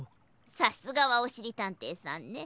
さすがはおしりたんていさんね。